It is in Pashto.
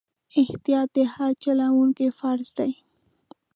احتیاط د هر چلوونکي فرض دی.